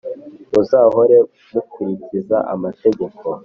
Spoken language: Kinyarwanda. Muzahore mukurikiza amategeko.